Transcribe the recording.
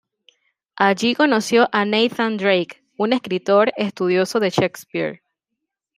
Allí conoció a Nathan Drake, un escritor estudioso de Shakespeare.